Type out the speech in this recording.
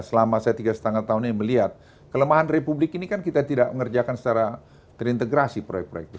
selama saya tiga lima tahun ini melihat kelemahan republik ini kan kita tidak mengerjakan secara terintegrasi proyek proyek itu